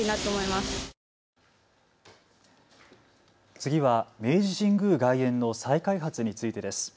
次は明治神宮外苑の再開発についてです。